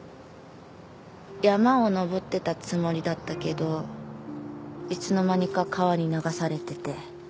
山を登ってたつもりだったけどいつの間にか川に流されてて。